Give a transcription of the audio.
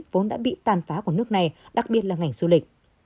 vốn đã bị tàn phá của nước này đặc biệt là ngành du lịch